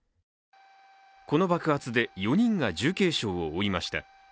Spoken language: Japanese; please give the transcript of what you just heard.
この爆発で４人が重軽傷を負いました。